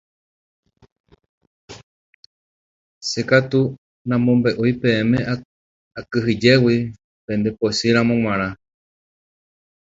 Che katu namombe'úi peẽme akyhyjégui pendepochýramo g̃uarã.